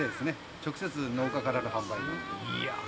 直接農家からの販売で。